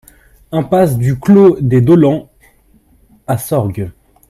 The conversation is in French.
Impasse du Clos des Daulands à Sorgues